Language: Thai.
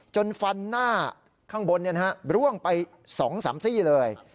จนฟันหน้าข้างบนเนี่ยนะฮะบร่วงไปสองสามสี่เลย